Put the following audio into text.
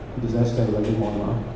jadi saya sudah berhati hati mohon maaf